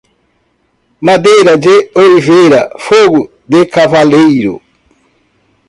Madeira de oliveira, fogo de cavaleiro.